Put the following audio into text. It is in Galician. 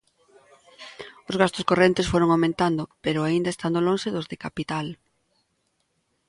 Os gastos correntes foron aumentando, pero aínda estando lonxe dos de capital.